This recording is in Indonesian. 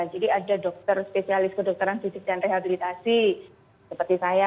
jadi ada dokter spesialis kedokteran fisik dan rehabilitasi seperti saya